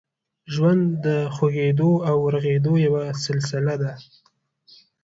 ژوند د خوږېدو او رغېدو یوه سلسله ده.